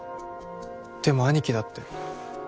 でも兄貴だって